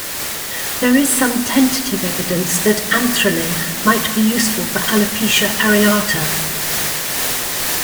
There is some tentative evidence that anthralin might be useful for alopecia areata.